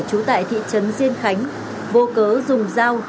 trú tại thị trấn diên khánh vô cớ dùng dao